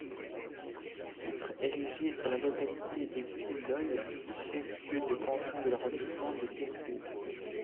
Titre érigé sur la localité d'Excideuil, chef-lieu de canton de l'arrondissement de Périgueux.